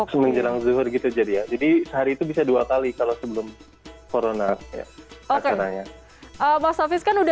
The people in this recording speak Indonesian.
semenjelang zuhur gitu jadi ya jadi sehari itu bisa dua kali kalau sebelum corona ya acaranya